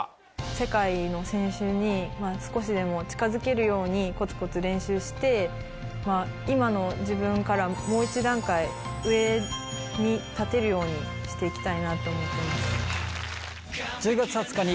世界の選手に少しでも近づけるようにコツコツ練習して今の自分からもう１段階上に立てるようにして行きたいなと思ってます。